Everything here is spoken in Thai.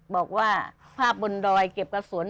บอกว่าภาพบนดอยเก็บกระสุน